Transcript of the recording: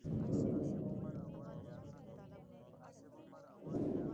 د لوړو زده کړو لرونکو کسانو څخه یې په کارونو کې کار واخیست.